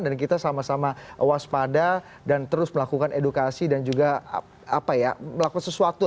dan kita sama sama waspada dan terus melakukan edukasi dan juga melakukan sesuatu